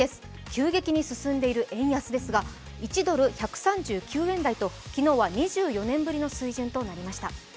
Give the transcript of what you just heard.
急激に進んでいる円安ですが、１ドル＝１３９円台と昨日は２４年ぶりの水準となりました。